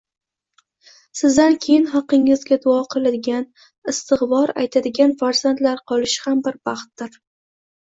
Sizdan keyin haqqingizga duo qiladigan, istig‘for aytadigan farzandlar qolishi ham bir baxtdir.